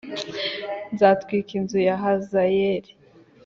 nzatwika inzu ya Hazayeli